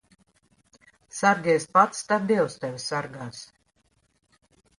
Sargies pats, tad dievs tevi sargās.